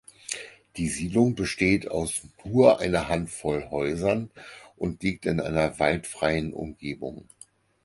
Die Siedlung besteht aus nur eine Handvoll Häusern und liegt in einer waldfreien Umgebung.